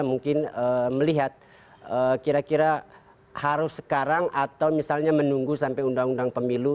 mungkin melihat kira kira harus sekarang atau misalnya menunggu sampai undang undang pemilu